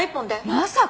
まさか！